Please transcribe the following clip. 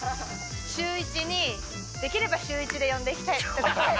シューイチに出来れば週１で呼んでいただきたいなと。